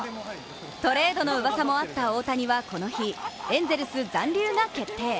トレードのうわさもあった大谷はこの日、エンゼルス残留が決定。